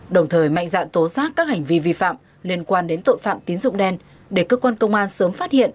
đồng thời mạnh dạng tố xác các hành vi vi phạm liên quan đến tội phạm tín dụng đen để cơ quan công an sớm phát hiện